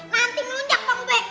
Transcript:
nanti melunjak bang ub